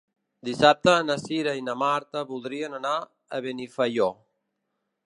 Dissabte na Cira i na Marta voldrien anar a Benifaió.